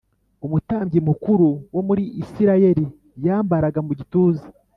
Umutambyi mukuru wo muri isirayeli yambaraga mu gituza